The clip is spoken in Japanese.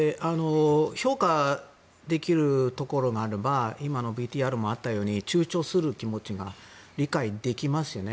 評価できるところがあれば今のＶＴＲにもあったように躊躇する気持ちが理解できますね。